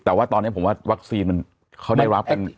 แต่ว่าตอนนี้ผมว่าวัคซีนมัน